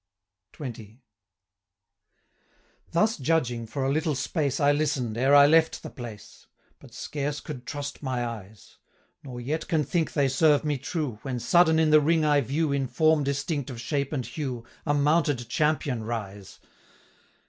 XX. 'Thus judging, for a little space I listen'd, ere I left the place; But scarce could trust my eyes, 405 Nor yet can think they serve me true, When sudden in the ring I view, In form distinct of shape and hue, A mounted champion rise.